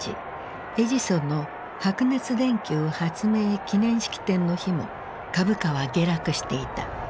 エジソンの白熱電球発明記念式典の日も株価は下落していた。